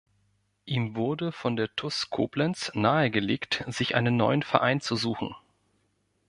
Ihm wurde von der TuS Koblenz nahegelegt, sich einen neuen Verein zu suchen.